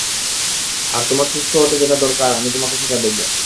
আর তোমার সুস্থ হতে যেটা দরকার আমি তোমাকে সেটা দিব।